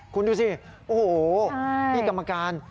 คุณดูสิโอ้โหพี่กรรมการ